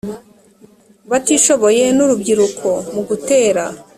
batishoboye n urubyiruko mu gutera